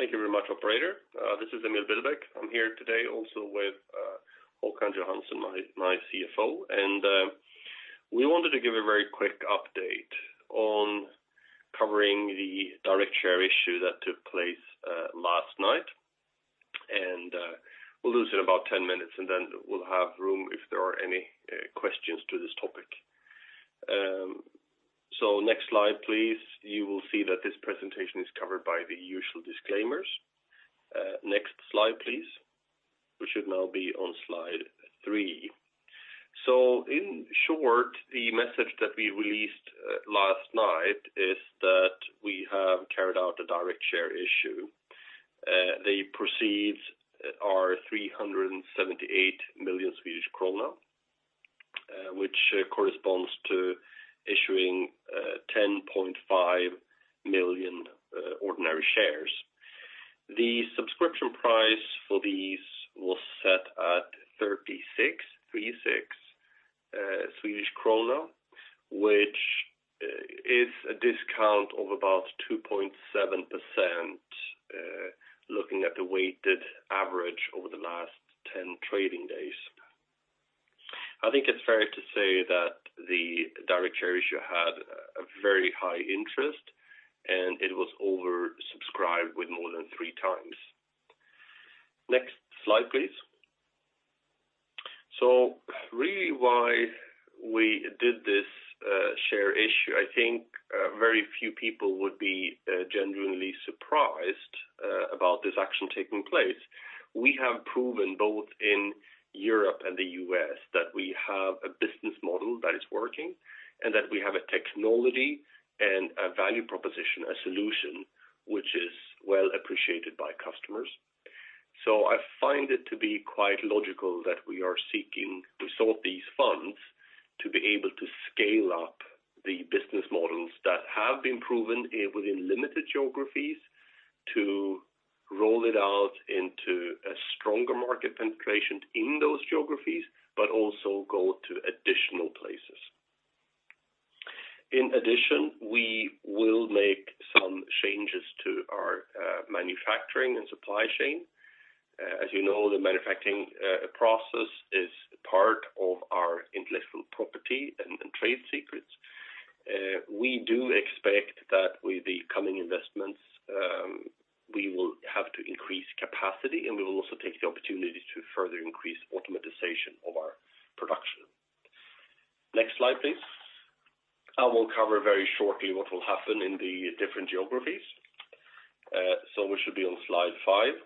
Thank you very much, operator. This is Emil Billbäck. I'm here today also with Håkan Johansson, my CFO. And uh, we wanted to give a very quick update on covering the direct share issue that took place last night. We'll lose about 10 minutes, then we'll have room if there are any questions to this topic. So next slide, please. You will see that this presentation is covered by the usual disclaimers. Next slide, please. We should now be on slide three. So in short, the message that we released last night is that we have carried out a direct share issue. The proceeds are 378 million Swedish krona, which corresponds to issuing 10.5 million ordinary shares. The subscription price for these was set at 36, which is a discount of about 2.7%, looking at the weighted average over the last 10 trading days. I think it's fair to say that the direct share issue had a very high interest, and it was oversubscribed with more than three times. Next slide, please. Really why we did this share issue, I think very few people would be genuinely surprised about this action taking place. We have proven both in Europe and the U.S. that we have a business model that is working and that we have a technology and a value proposition, a solution which is well appreciated by customers. So I find it to be quite logical that we are seeking to sort these funds to be able to scale up the business models that have been proven within limited geographies to roll it out into a stronger market penetration in those geographies, but also go to additional places. In addition, we will make some changes to our manufacturing and supply chain. As you know, the manufacturing process is part of our intellectual property and trade secrets. We do expect that with the coming investments, we will have to increase capacity, and we will also take the opportunity to further increase automatization of our production. Next slide, please. I will cover very shortly what will happen in the different geographies. We should be on slide five.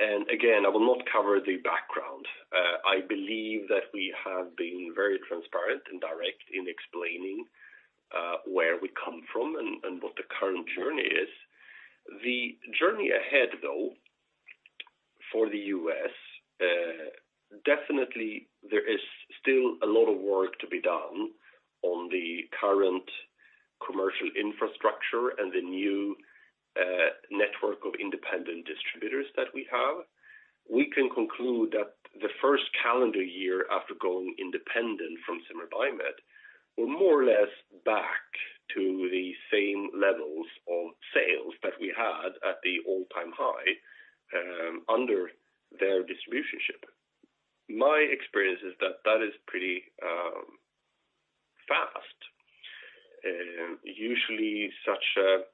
And again, I will not cover the background. I believe that we have been very transparent and direct in explaining where we come from and what the current journey is. The journey ahead, though, for the U.S., definitely there is still a lot of work to be done on the current commercial infrastructure and the new network of independent distributors that we have. We can conclude that the first calendar year after going independent from Zimmer Biomet, we're more or less back to the same levels of sales that we had at the all-time high under their distributorship. My experience is that that is pretty fast. Usually such a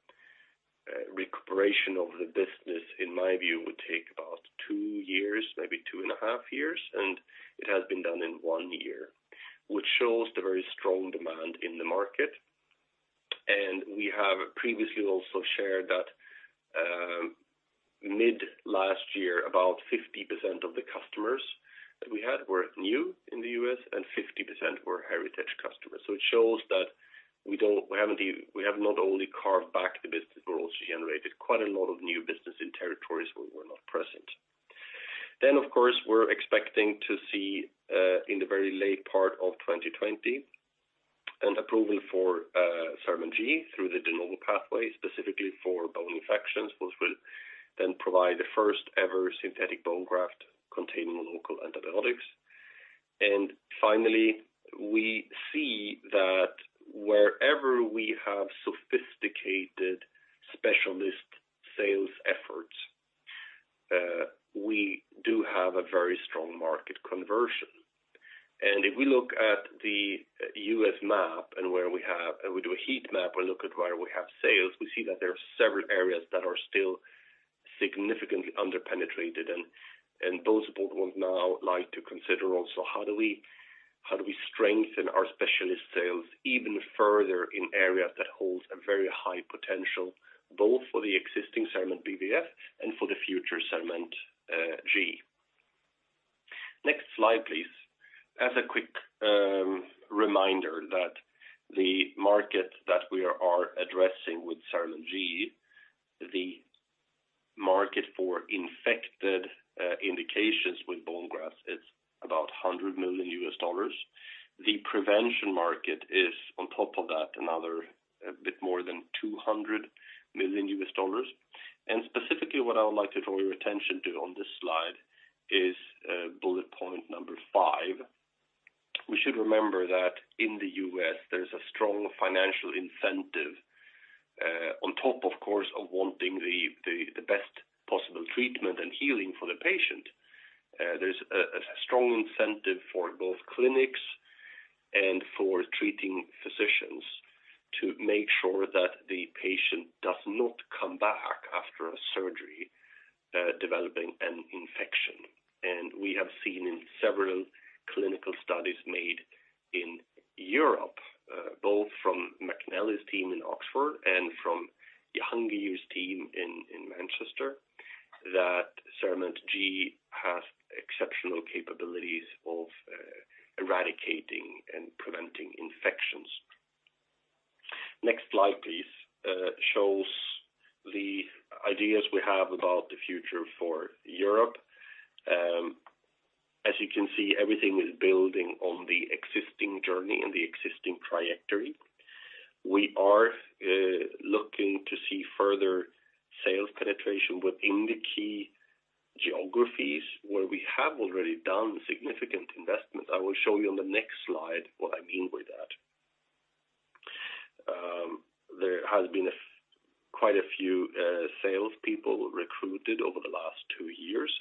recuperation of the business, in my view, would take about two years, maybe two and a half years. It has been done in one year, which shows the very strong demand in the market. And we have previously also shared that mid last year, about 50% of the customers that we had were new in the U.S. and 50% were heritage customers. It shows that we have not only carved back the business, but also generated quite a lot of new business in territories where we're not present. Of course, we're expecting to see in the very late part of 2020, an approval for CERAMENT G through the De Novo pathway, specifically for bone infections, which will provide the first ever synthetic bone graft containing local antibiotics. And finally, we see that wherever we have sophisticated specialist sales efforts, we do have a very strong market conversion. And if we look at the U.S. map and we do a heat map or look at where we have sales, we see that there are several areas that are still significantly under-penetrated. BONESUPPORT would now like to consider also how do we strengthen our specialist sales even further in areas that holds a very high potential, both for the existing CERAMENT BBF and for the future CERAMENT G. Next slide, please. As a quick reminder that the market that we are addressing with CERAMENT G, the market for infected indications with bone grafts is about $100 million. The prevention market is on top of that, another bit more than $200 million. Particularly what I would like to draw your attention to on this slide is bullet point number five. We should remember that in the U.S. there's a strong financial incentive, on top of course, of wanting the best possible treatment and healing for the patient. There's a strong incentive for both clinics and for treating physicians to make sure that the patient does not come back after a surgery developing an infection. We have seen in several clinical studies made in Europe, both from McNally's team in Oxford and from Jahangir's team in Manchester, that CERAMENT G has exceptional capabilities of eradicating and preventing infections. Next slide, please, shows the ideas we have about the future for Europe. As you can see, everything is building on the existing journey and the existing trajectory. We are looking to see further sales penetration within the key geographies where we have already done significant investment. I will show you on the next slide what I mean by that. There has been quite a few salespeople recruited over the last two years.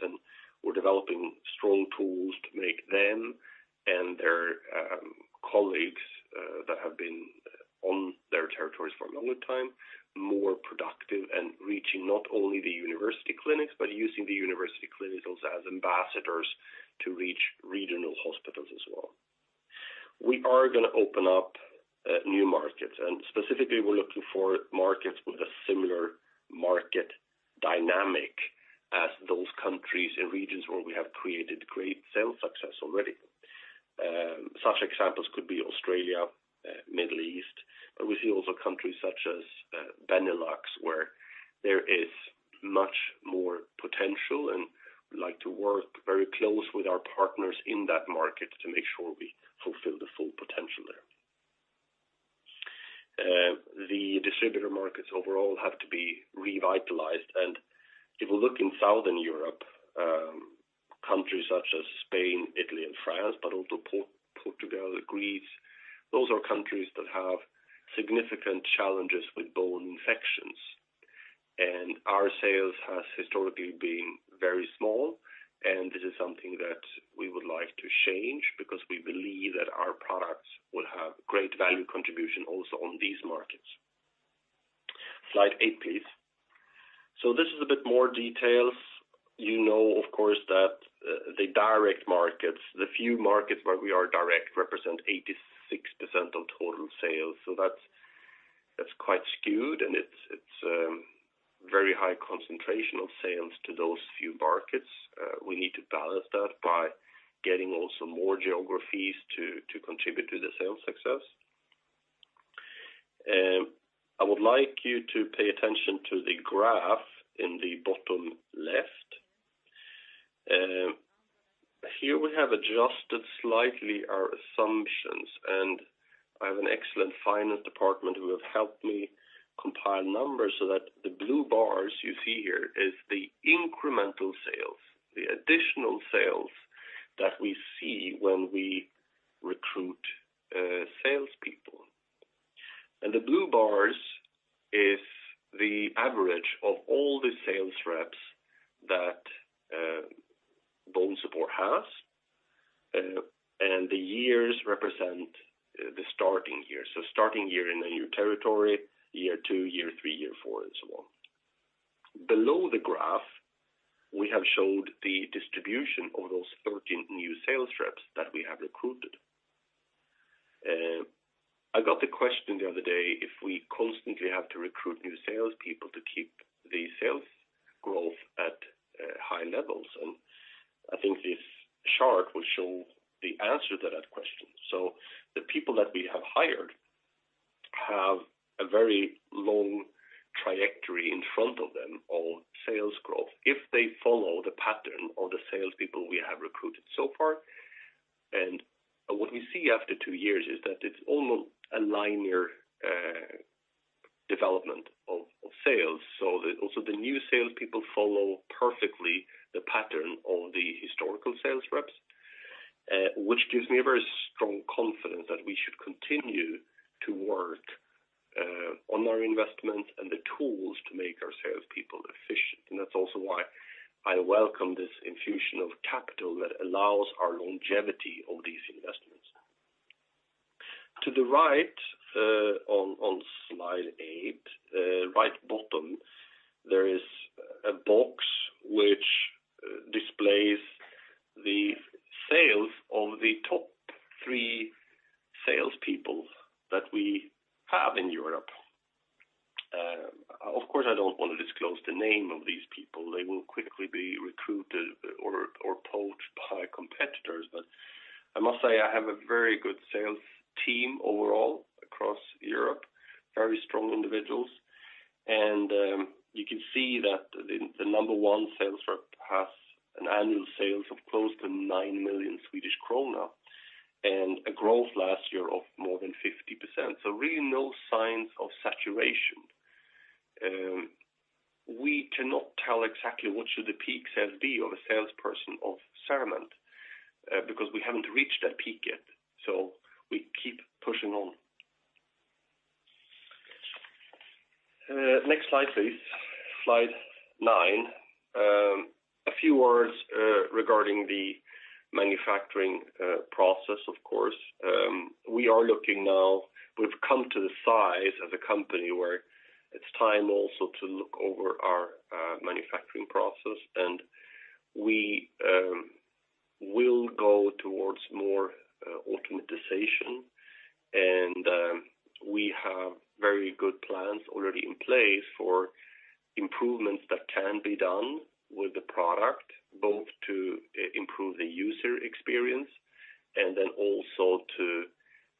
We're developing strong tools to make them and their colleagues, that have been on their territories for a longer time, more productive and reaching not only the university clinics, but using the university clinicals as ambassadors to reach regional hospitals as well. We are going to open up new markets. Specifically we're looking for markets with a similar market dynamic as those countries and regions where we have created great sales success already. Such examples could be Australia, Middle East, but we see also countries such as Benelux where there is much more potential, and we like to work very close with our partners in that market to make sure we fulfill the full potential there. The distributor markets overall have to be revitalized. And if you look in Southern Europe, countries such as Spain, Italy and France, but also Portugal, Greece, those are countries that have significant challenges with bone infections. And our sales has historically been very small, and this is something that we would like to change because we believe that our products will have great value contribution also on these markets. Slide eight, please. So this is a bit more details. You know, of course, that the direct markets, the few markets where we are direct, represent 86% of total sales. That's quite skewed and it's very high concentration of sales to those few markets. We need to balance that by getting also more geographies to contribute to the sales success. I would like you to pay attention to the graph in the bottom left. Here we have adjusted slightly our assumptions, and I have an excellent finance department who have helped me compile numbers so that the blue bars you see here is the incremental sales, the additional sales that we see when we recruit salespeople. The blue bars is the average of all the sales reps that BONESUPPORT has. The years represent the starting year. Starting year in a new territory, year two, year three, year four, and so on. Below the graph, we have showed the distribution of those 13 new sales reps that we have recruited. I got the question the other day, if we constantly have to recruit new salespeople to keep the sales growth at high levels. I think this chart will show the answer to that question. The people that we have hired have a very long trajectory in front of them of sales growth if they follow the pattern of the salespeople we have recruited so far. And what we see after two years is that it's almost a linear development of sales. Also the new salespeople follow perfectly the pattern of the historical sales reps, which gives me a very strong confidence that we should continue to work on our investment and the tools to make our salespeople efficient. That's also why I welcome this infusion of capital that allows our longevity of these investments. To the right on slide eight, right bottom, there is a box which displays the sales of the top three salespeople that we have in Europe. Of course, I don't want to disclose the name of these people. They will quickly be recruited or poached by competitors. I must say I have a very good sales team overall across Europe, very strong individuals. You can see that the number one sales rep has annual sales of close to 9 million Swedish kronor, and a growth last year of more than 50%. Really no signs of saturation. We cannot tell exactly what should the peak sales be of a salesperson of CERAMENT, because we haven't reached that peak yet. We keep pushing on. Next slide, please. Slide nine. A few words regarding the manufacturing process, of course. We've come to the size as a company where it's time also to look over our manufacturing process. We will go towards more automatization. We have very good plans already in place for improvements that can be done with the product, both to improve the user experience and then also to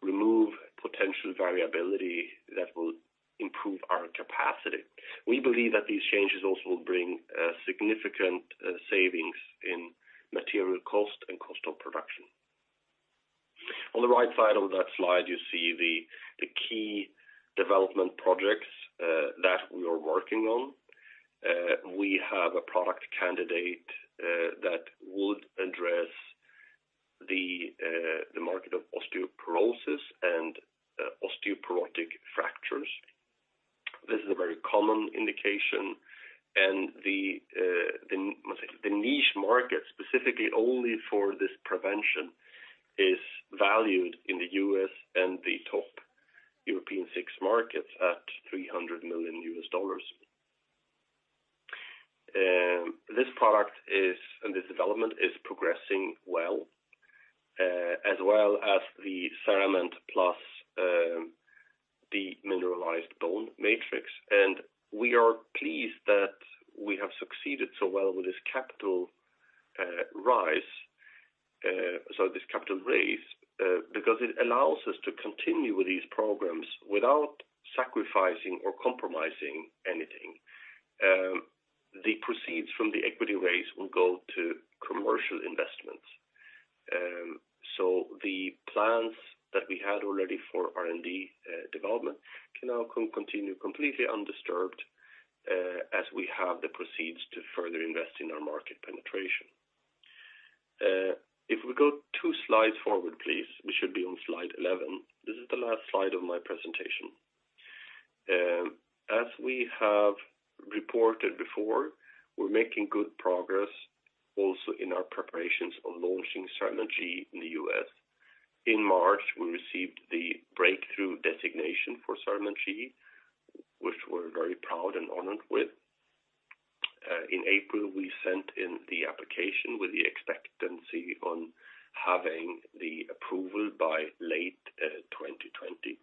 remove potential variability that will improve our capacity. We believe that these changes also will bring significant savings in material cost and cost of production. On the right side of that slide, you see the key development projects that we are working on. We have a product candidate that would address the market of osteoporosis and osteoporotic fractures. This is a very common indication. The niche market, specifically only for this prevention, is valued in the U.S. and the top European six markets at $300 million. This product and this development is progressing well, as well as the CERAMENT plus demineralized bone matrix. We are pleased that we have succeeded so well with this capital raise. This capital raise, because it allows us to continue with these programs without sacrificing or compromising anything. The proceeds from the equity raise will go to commercial investments. So the plans that we had already for R&D development can now continue completely undisturbed, as we have the proceeds to further invest in our market penetration. If we go two slides forward, please. We should be on slide 11. This is the last slide of my presentation. As we have reported before, we're making good progress also in our preparations on launching CERAMENT G in the U.S. In March, we received the Breakthrough designation for CERAMENT G, which we're very proud and honored with. In April, we sent in the application with the expectancy on having the approval by late 2020.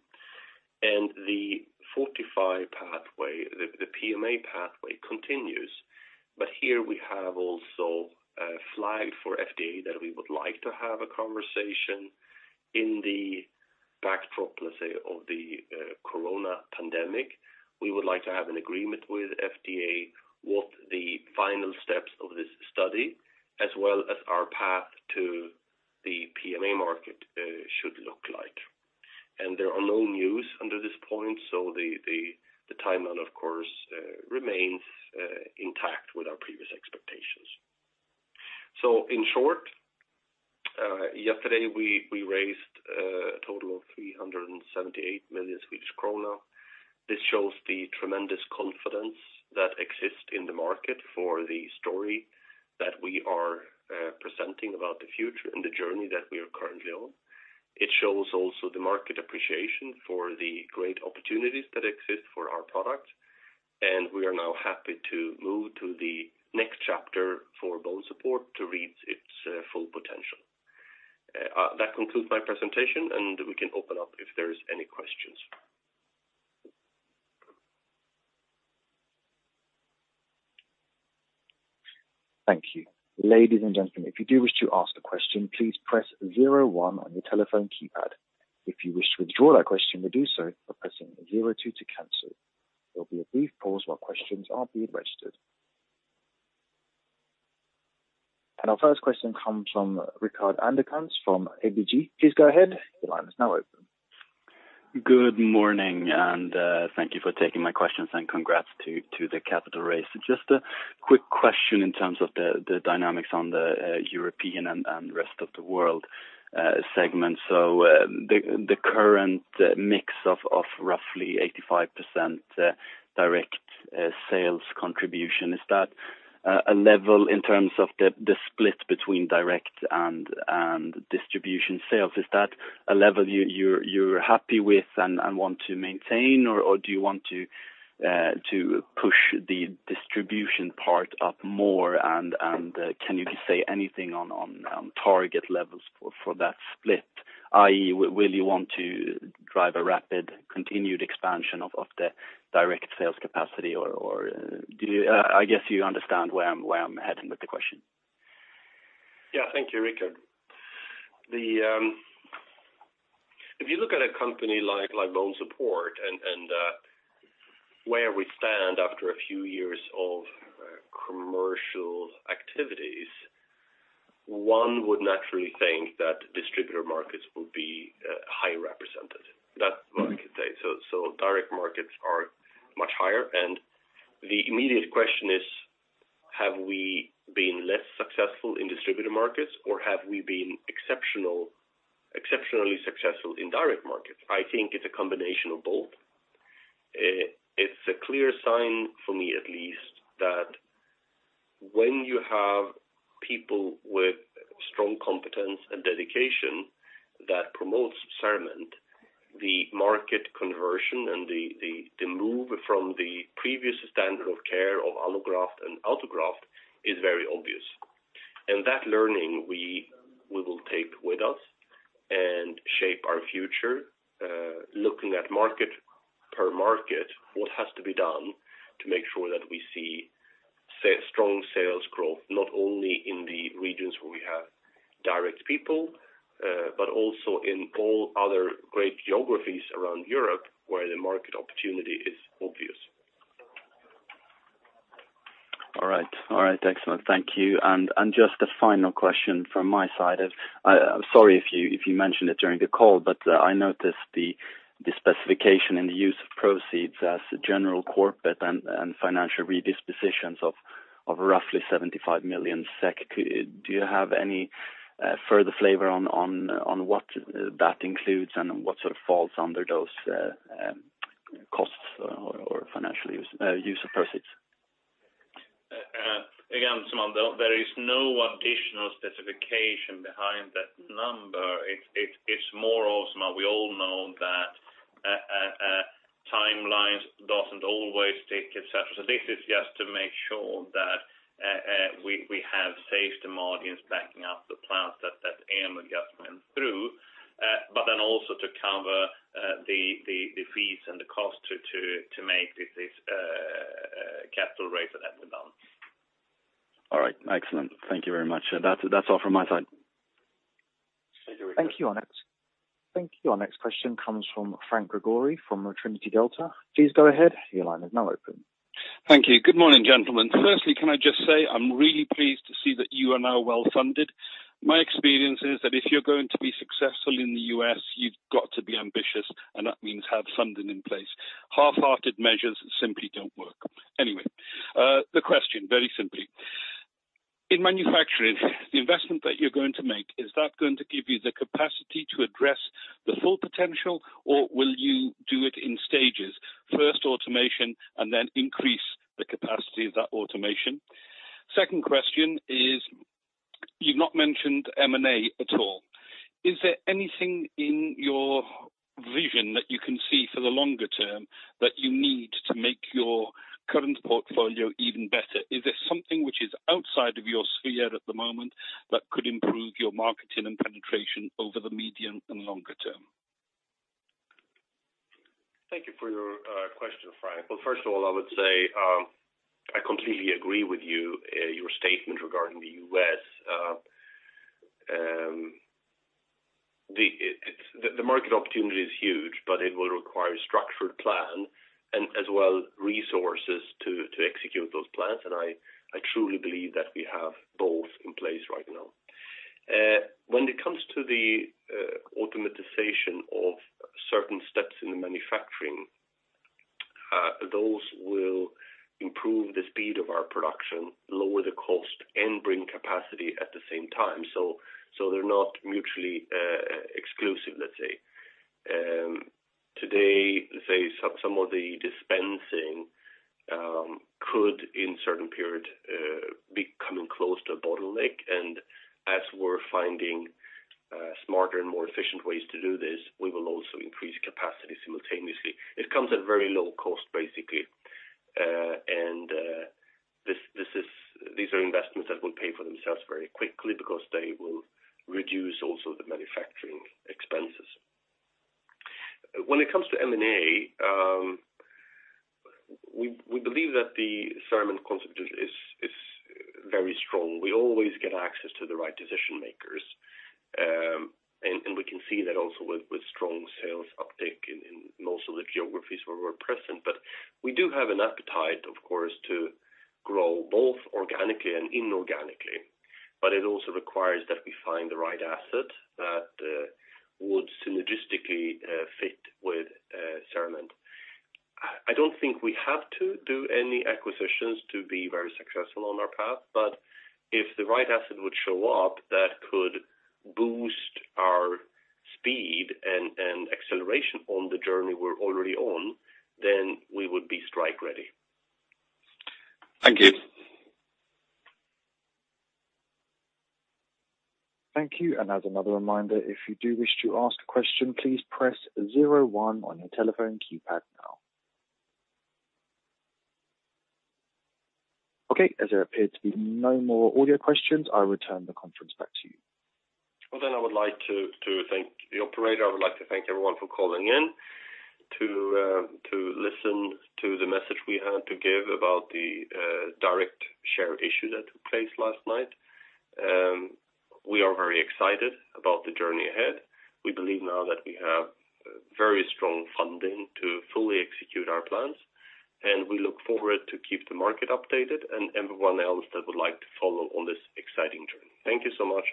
And the FORTIFY pathway, the PMA pathway continues, but here we have also flagged for FDA that we would like to have a conversation in the backdrop, let's say, of the corona pandemic. We would like to have an agreement with FDA what the final steps of this study, as well as our path to the PMA market should look like. There are no news under this point, so the timeline, of course, remains intact with our previous expectations. In short, yesterday we raised a total of SEK 378 million. This shows the tremendous confidence that exists in the market for the story that we are presenting about the future and the journey that we are currently on. It shows also the market appreciation for the great opportunities that exist for our product, and we are now happy to move to the next chapter for BONESUPPORT to reach its full potential. That concludes my presentation, and we can open up if there is any questions? Thank you. Ladies and gentlemen, if you do wish to ask a question, please press zero one on your telephone keypad. If you wish to withdraw that question, you do so by pressing zero two to cancel. There'll be a brief pause while questions are being registered. Our first question comes from Rickard Andersson from ABG. Please go ahead. The line is now open. Good morning, and thank you for taking my questions, and congrats to the capital raise. Just a quick question in terms of the dynamics on the European and rest of the world segments. The current mix of roughly 85% direct sales contribution, is that a level in terms of the split between direct and distribution sales? Is that a level you're happy with and want to maintain, or do you want to push the distribution part up more? Can you say anything on target levels for that split, i.e., will you want to drive a rapid continued expansion of the direct sales capacity, or do you I guess you understand where I'm heading with the question. Yeah. Thank you, Rickard. If you look at a company like BONESUPPORT and where we stand after a few years of commercial activities, one would naturally think that distributor markets will be highly represented. That's what we could say. Direct markets are much higher, and the immediate question is, have we been less successful in distributor markets, or have we been exceptionally successful in direct markets? I think it's a combination of both. It's a clear sign for me, at least, that when you have people with strong competence and dedication that promotes CERAMENT, the market conversion and the move from the previous standard of care of allograft and autograft is very obvious. That learning, we will take with us and shape our future, looking at market per market, what has to be done to make sure that we see strong sales growth, not only in the regions where we have direct people, but also in all other great geographies around Europe where the market opportunity is obvious. All right. Excellent. Thank you. Just a final question from my side. I'm sorry if you mentioned it during the call, but I noticed the specification and the use of proceeds as general corporate and financial redispositions of roughly 75 million SEK. Do you have any further flavor on what that includes and what sort of falls under those costs or financial use of proceeds? Again, Rickard, there is no additional specification behind that number. It's more of, Rickard, we all know that timelines doesn't always take, et cetera. This is just to make sure that we have safe margins backing up the plans that Emil just went through, also to cover the fees and the cost to make this capital raise that we've done. All right. Excellent. Thank you very much. That's all from my side. Thank you very much. Thank you. Our next question comes from Franc Gregori from Trinity Delta. Please go ahead. Your line is now open. Thank you. Good morning, gentlemen. Firstly, can I just say, I'm really pleased to see that you are now well-funded. My experience is that if you're going to be successful in the U.S., you've got to be ambitious, and that means have something in place. Half-hearted measures simply don't work. The question, very simply. In manufacturing, the investment that you're going to make, is that going to give you the capacity to address the full potential, or will you do it in stages, first automation and then increase the capacity of that automation? Second question is, you've not mentioned M&A at all. Is there anything in your vision that you can see for the longer term that you need to make your current portfolio even better? Is there something which is outside of your sphere at the moment that could improve your marketing and penetration over the medium and longer term? Thank you for your question, Franc. Well, first of all, I would say, I completely agree with you, your statement regarding the U.S. The market opportunity is huge, but it will require a structured plan and as well, resources to execute those plans. I truly believe that we have both in place right now. When it comes to the automatization of certain steps in the manufacturing, those will improve the speed of our production, lower the cost, and bring capacity at the same time. So they're not mutually exclusive, let's say. Today, let's say some of the dispensing could, in a certain period, be coming close to a bottleneck. As we're finding smarter and more efficient ways to do this, we will also increase capacity simultaneously. It comes at very low cost, basically. These are investments that will pay for themselves very quickly because they will reduce also the manufacturing expenses. When it comes to M&A, we believe that the CERAMENT concept is very strong. We always get access to the right decision-makers. We can see that also with strong sales uptick in most of the geographies where we're present. We do have an appetite, of course, to grow both organically and inorganically. It also requires that we find the right asset that would synergistically fit with CERAMENT. I don't think we have to do any acquisitions to be very successful on our path, but if the right asset would show up that could boost our speed and acceleration on the journey we're already on, then we would be strike-ready. Thank you. Thank you. As another reminder, if you do wish to ask a question, please press zero one on your telephone keypad now. Okay, as there appear to be no more audio questions, I'll return the conference back to you. I would like to thank the operator. I would like to thank everyone for calling in to listen to the message we had to give about the direct share issue that took place last night. We are very excited about the journey ahead. We believe now that we have very strong funding to fully execute our plans, and we look forward to keep the market updated and everyone else that would like to follow on this exciting journey. Thank you so much.